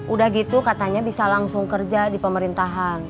udah gitu katanya bisa langsung kerja di pemerintahan